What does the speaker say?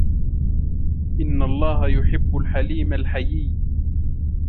إنَّ اللَّهَ يُحِبُّ الْحَلِيمَ الْحَيِيَّ